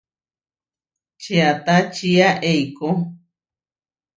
Čiata čiá eikó.